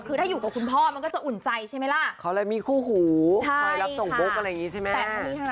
คือถ้าอยู่กับคุณพ่อมันก็จะอุ่นใจใช่ไหมล่ะเขาเลยมีคู่หูคอยรับส่งบุ๊กอะไรอย่างนี้ใช่ไหม